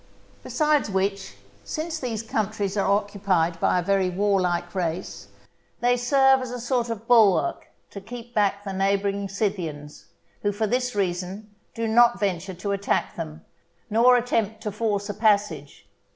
Besides which, since these countries are occupied by a very warlike race, they serve as a sort of bulwark to keep back the neighbouring Scythians, who for this reason do not venture to attack them, nor attempt to force a passage.